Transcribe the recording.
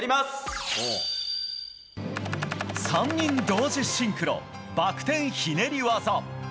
３人同時シンクロバク転ひねり技。